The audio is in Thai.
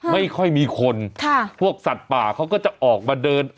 ไม่ค่อยมีคนพวกสัตว์ป่าเขาก็จะออกมาเดิน